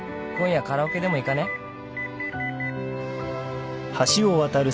今夜カラオケでも行かねえ？」